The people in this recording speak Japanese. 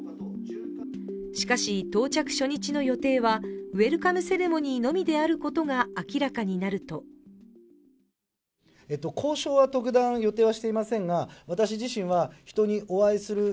しかし、到着初日の予定はウエルカムセレモニーのみであることが明らかになると海外視察を巡っては、都内でも。